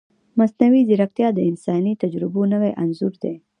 مصنوعي ځیرکتیا د انساني تجربو نوی انځور جوړوي.